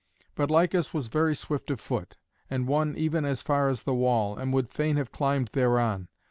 But Lycus was very swift of foot, and won even as far as the wall, and would fain have climbed thereon.